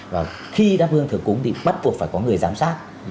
và khi tháp hương thử cúng thì bắt buộc phải có người giám sát